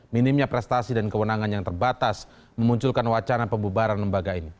minimnya prestasi dan kewenangan yang terbatas memunculkan wacana pembubaran lembaga ini